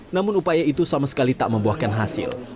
namun upaya itu sama sekali tak membuahkan hasil